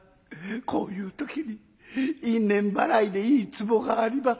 こういう時に因縁ばらいでいいツボがあります。